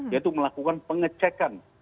yaitu melakukan pengecekan